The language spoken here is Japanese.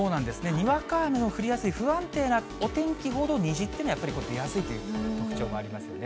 にわか雨の降りやすい不安定なお天気ほど、虹っていうのはやっぱり出やすいという特徴がありますのでね。